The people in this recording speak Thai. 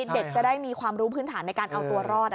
เด็กจะได้มีความรู้พื้นฐานในการเอาตัวรอด